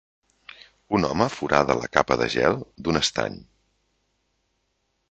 Un home forada la capa de gel d'un estany.